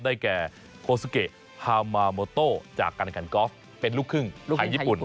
ได้แก่โฮซูเก็คฮาวมาวโมโตจากกรรมการกอฟเป็นลูกครึ่งไทยญี่ปุ่น